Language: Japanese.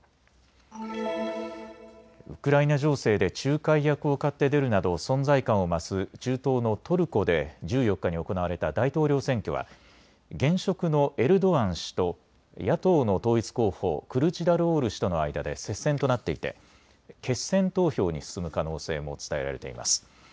ウクライナ情勢で仲介役を買って出るなど存在感を増す中東のトルコで１４日に行われた大統領選挙は現職のエルドアン氏と野党の統一候補クルチダルオール氏との間で接戦となっていて決選投票に進む可能性も伝えられています。